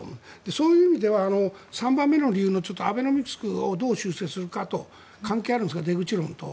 そういう意味では３番目の理由のアベノミクスをどう修正するかというのと関係あるんですが、出口論と。